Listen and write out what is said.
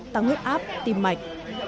tăng hước áp tim mạch